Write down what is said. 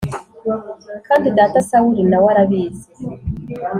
kandi data Sawuli na we arabizi.